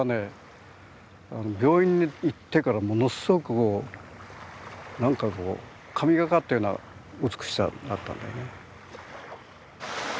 病院に行ってからものすごく何かこう神がかったような美しさになったんだよね。